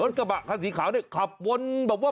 กระบะคันสีขาวเนี่ยขับวนแบบว่า